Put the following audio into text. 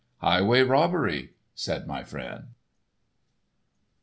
"Highway robbery," said my friend.